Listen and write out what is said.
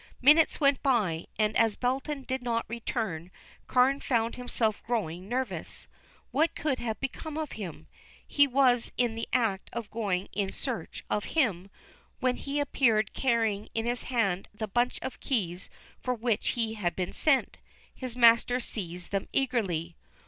Minutes went by, and as Belton did not return, Carne found himself growing nervous. What could have become of him? He was in the act of going in search of him, when he appeared carrying in his hand the bunch of keys for which he had been sent. His master seized them eagerly.